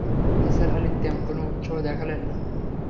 নিসার আলি তেমন কোনো উৎসাহ দেখালেন না।